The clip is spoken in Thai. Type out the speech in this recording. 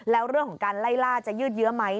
แล้วเรื่องของการไล่ล่าจะยืดเยื้อไหม